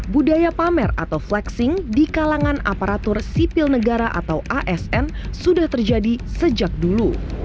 budaya pamer atau flexing di kalangan aparatur sipil negara atau asn sudah terjadi sejak dulu